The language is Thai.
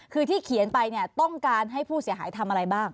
คือที่เขียนไปเนี่ยต้องการให้ผู้เสียหายทำอะไรบ้าง